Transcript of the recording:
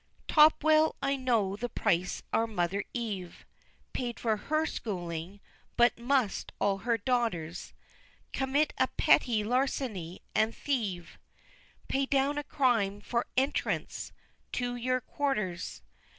VIII. Top well I know the price our mother Eve Paid for her schooling: but must all her daughters Commit a petty larceny, and thieve Pay down a crime for "entrance" to your "quarters"?